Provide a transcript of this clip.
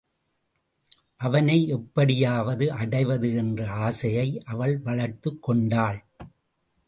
அவனை எப்படியாவது அடைவது என்று ஆசையை அவள் வளர்த்துக் கொண்டாள்.